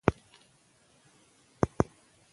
هوښیار لومړی زړه پوښتي او بیا خبري کوي.